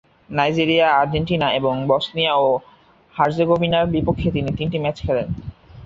Nigeria, Argentina এবং Bosnia ও হার্জেগোভিনার বিপক্ষে তিনি তিনটি ম্যাচে খেলেন।